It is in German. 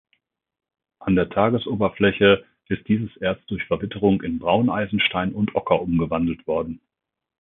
An der Tagesoberfläche ist dieses Erz durch Verwitterung in Brauneisenstein und Ocker umgewandelt worden.